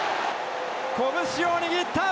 拳を握った！